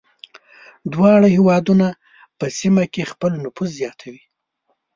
دواړه هېوادونه په سیمه کې خپل نفوذ زیاتوي.